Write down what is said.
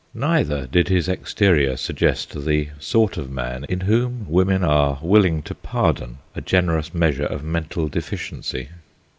Neither did his exterior suggest the sort of man in whom women are willing to pardon a generous measure of mental deficiency.